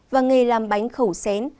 và nghề làm bánh khẩu xén